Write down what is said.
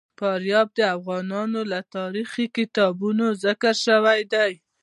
فاریاب د افغان تاریخ په کتابونو کې ذکر شوی دي.